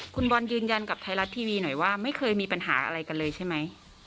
คุณบอลยืนยันกับไทยรัฐทีวีหน่อยว่าไม่เคยมีปัญหาอะไรกันเลยใช่ไหม